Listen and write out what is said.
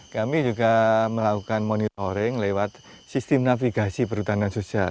kami juga melakukan monitoring lewat sistem navigasi perhutanan sosial